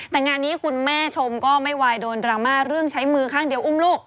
แต่งานนี้คุณแม่ชมก็ไม่วายโดนดราม่าเรื่องใช้มือข้างเดียวอุ้มลูก